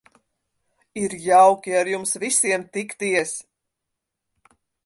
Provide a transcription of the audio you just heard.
Ir jauki ar jums visiem tikties.